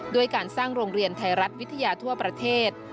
ด้วยการสร้างโรงเรียนไทยรัฐวิทยาทั่วประเทศ